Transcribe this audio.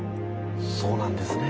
そうなんですね。